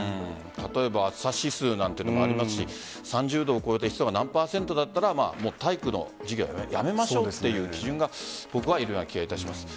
例えば暑さ指数なんていうのもありますし３０度を超えて湿度が何％だったら体育の授業をやめましょうという基準が必要な気がします。